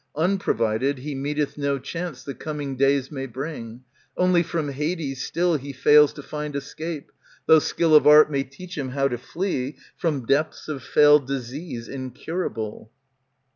Unprovided, he Meeteth no chance the coming days may bring; Only from Hades, still *He fails to find escape. Though skill of art may teach him how to flee From depths of fell disease incurable.